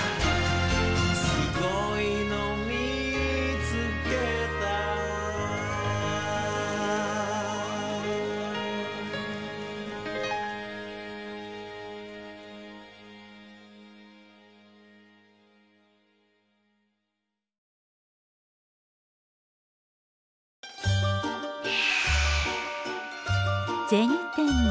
「すごいのみつけた」銭天堂。